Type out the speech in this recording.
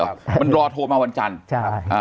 ค่ะมันรอโทรมาวันจันทร์ใช่อ่า